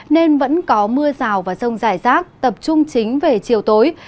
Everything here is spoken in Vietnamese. nên vẫn có mưa rào và sông dài rác tập trung chính về chiều tối